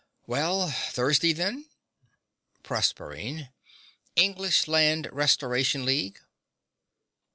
Well, Thursday then? PROSERPINE. English Land Restoration League.